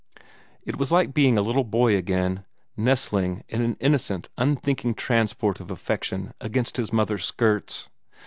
It was like being a little boy again, nestling in an innocent, unthinking transport of affection against his mother's skirts.